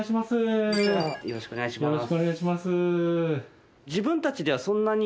よろしくお願いします。